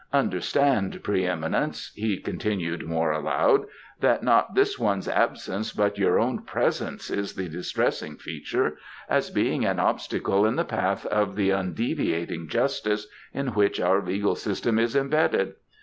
"Understand, pre eminence," he continued more aloud, "that not this one's absence but your own presence is the distressing feature, as being an obstacle in the path of that undeviating justice in which our legal system is embedded.